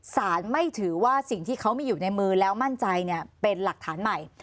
สารไม่ถือว่าสิ่งที่เขามีอยู่ในมือแล้วมั่นใจเป็นหลักฐานใหม่